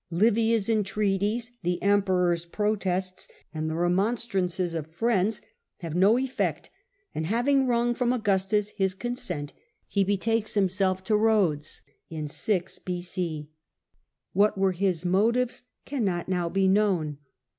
Livia's entreaties, the Emperor's (b c* 6) protests, and the remonstrances of friends have no effect ; and having wrung from Augustus his consent, he betakes himself to Rhodes. What were his motives cannot now be known.